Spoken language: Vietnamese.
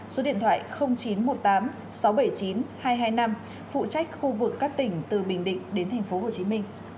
số điện thoại chín trăm một mươi tám sáu trăm bảy mươi chín hai trăm hai mươi năm phụ trách khu vực các tỉnh từ bình định đến tp hcm